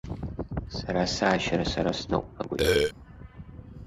Сара саашьара сара сныҟәнагоит.